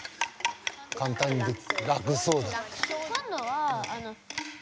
簡単に楽そうだ。